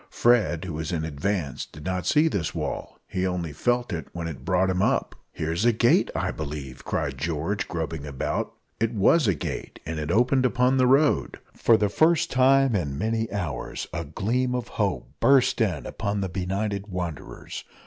Fred, who was in advance, did not see this wall he only felt it when it brought him up. "Here's a gate, I believe," cried George, groping about. It was a gate, and it opened upon the road! For the first time for many hours a gleam of hope burst in upon the benighted wanderers.